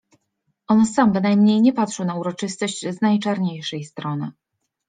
On sam bynajmniej nie patrzył na uroczystość z najczarniejszej strony.